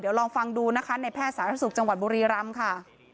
เดี๋ยวลองฟังดูนะคะในแพทย์สาธารณสุขจังหวัดบุรีรำค่ะ